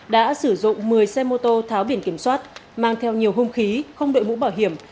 đã sử dụng một mươi xe mô tô tháo biển kiểm soát mang theo nhiều hung khí không đội mũ bảo hiểm